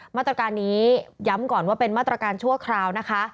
มาตรการนี้ย้ำก่อนว่าเป็นมาตรการชั่วคราวนะคะ